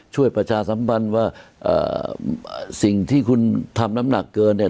ช่วยประชาสำบัญไว้ว่าสิ่งที่คุณทำน้ำหนักเกินเนี่ย